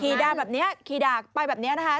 ด่าแบบนี้ขี่ด่ากไปแบบนี้นะคะ